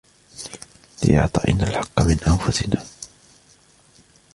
لِإِعْطَائِنَا الْحَقَّ مِنْ أَنْفُسِنَا